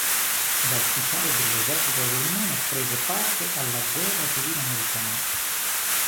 Da ufficiale dell'Esercito dell'Unione prese parte alla Guerra civile americana.